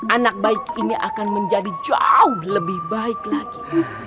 anak baik ini akan menjadi jauh lebih baik lagi